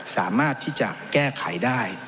สามารถที่จะแก้ไขได้